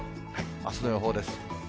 あすの予報です。